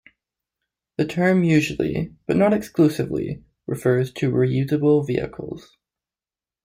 The term usually, but not exclusively, refers to reusable vehicles.